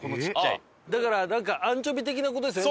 だからなんかアンチョビ的な事ですよね？